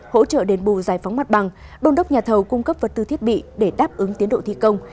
hỗ trợ đền bù giải phóng mặt bằng đôn đốc nhà thầu cung cấp vật tư thiết bị để đáp ứng tiến độ thi công